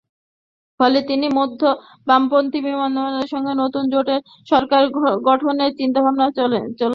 ফলে তিনি মধ্য-বামপন্থী বিরোধীদের সঙ্গে নতুন জোট সরকার গঠনের চিন্তাভাবনা চলছে।